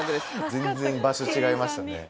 全然場所違いましたね。